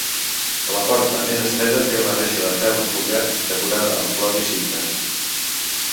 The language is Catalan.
La porta més estreta té una reixa de ferro forjat decorada amb flors i cintes.